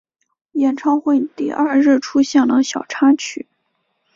演唱会第二日出现了小插曲。